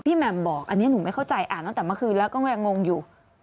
แหม่มบอกอันนี้หนูไม่เข้าใจอ่านตั้งแต่เมื่อคืนแล้วก็ยังงงอยู่